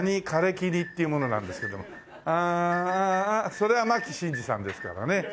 それは牧伸二さんですからね。